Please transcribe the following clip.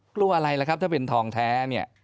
กลัวอะไรละครับถ้าเป็นทองแท้